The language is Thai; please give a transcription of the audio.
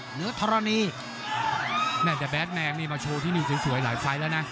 เหนือทรณีแน่นแต่แบทแมงนี่มาโชว์ที่นี่สวยสวยหลายไฟส์แล้วน่ะ